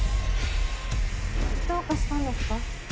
どうかしたんですか？